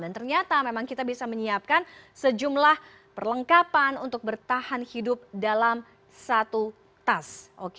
dan ternyata memang kita bisa menyiapkan sejumlah perlengkapan untuk bertahan hidup dalam satu tas